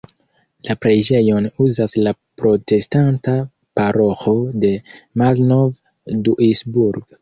La preĝejon uzas la protestanta paroĥo de Malnov-Duisburg.